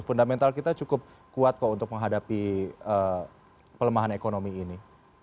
fundamental kita cukup kuat kok untuk menghadapi pelemahan ekonomi ini